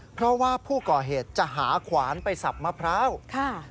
เพราะว่าผู้ก่อเหตุจะหาขวานไปสับมะพร้าวค่ะ